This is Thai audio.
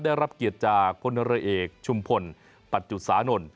ได้รับเกียรติจากพลเรือเอกชุมพลปัจจุสานนท์